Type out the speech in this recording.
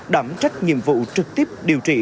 đảm trách nhiệm vụ trực tiếp điều trị